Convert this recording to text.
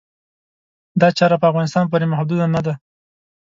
دا چاره په افغانستان پورې محدوده نه ده.